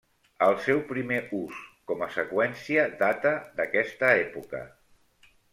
El seu primer ús com a seqüència data d'aquesta època.